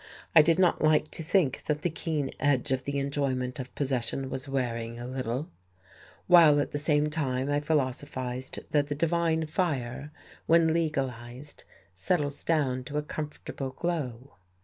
I did not like to think that the keen edge of the enjoyment of possession was wearing a little, while at the same time I philosophized that the divine fire, when legalized, settles down to a comfortable glow.